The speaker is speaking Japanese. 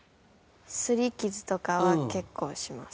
擦り傷とかは結構します。